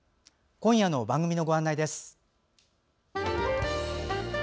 今夜の番組のご案内です。